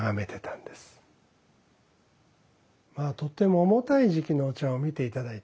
まあとても重たい時期のお茶を見て頂いた。